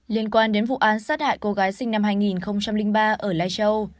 liên quan đến vụ án sát hại cô gái sinh năm hai nghìn ba ở lai châu